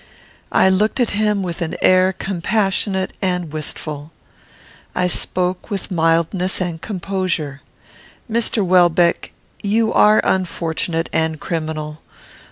I looked at him with an air compassionate and wistful. I spoke with mildness and composure: "Mr. Welbeck, you are unfortunate and criminal.